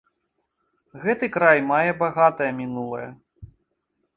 Гэты край мае багатае мінулае.